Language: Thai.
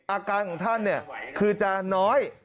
อาการของท่านคือจะน้อย